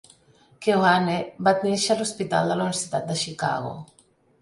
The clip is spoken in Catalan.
Keohane va néixer a l'Hospital de la Universitat de Chicago.